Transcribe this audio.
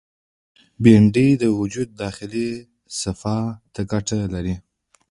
بېنډۍ د وجود داخلي صفا ته ګټه لري